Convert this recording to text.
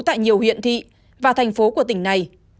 tại nhiều huyện thị và thành phố của tỉnh này